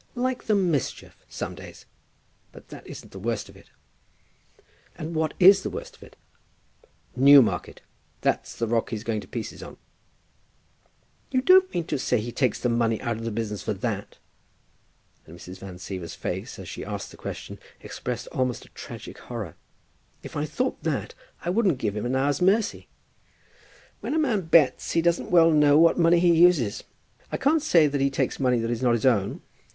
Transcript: "Like the mischief, some days. But that isn't the worst of it." "And what is the worst of it?" "Newmarket; that's the rock he's going to pieces on." "You don't mean to say he takes the money out of the business for that?" And Mrs. Van Siever's face, as she asked the question, expressed almost a tragic horror. "If I thought that I wouldn't give him an hour's mercy." "When a man bets he doesn't well know what money he uses. I can't say that he takes money that is not his own.